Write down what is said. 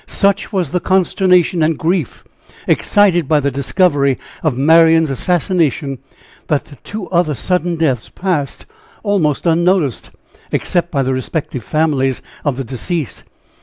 such was the consternation and grief excited by the discovery of Marian's assassination, that the two other sudden deaths passed almost unnoticed, except by the respective families of the deceased.